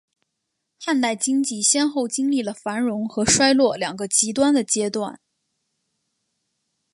汉代经济先后经历了繁荣和衰落两个极端的阶段。